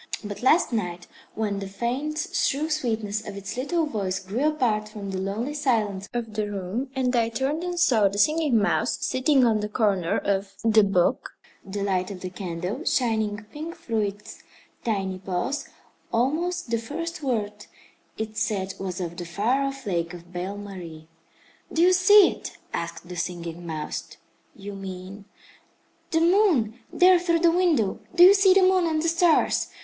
But last night when the faint, shrill sweetness of its little voice grew apart from the lonely silence of the room, and I turned and saw the Singing Mouse sitting on the corner of the book, the light of the candle shining pink through its tiny paws, almost the first word it said was of the far off Lake of Belle Marie. "Do you see it?" asked the Singing Mouse. "You mean " "The moon there through the window? Do you see the moon and the stars?